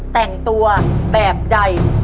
แต่งตัวแบบใด